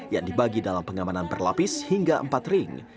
yang dibagi dalam pengamanan berlapis hingga empat ring